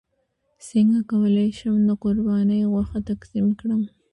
څنګه کولی شم د قرباني غوښه تقسیم کړم